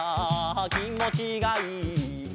「きもちがいいぞ」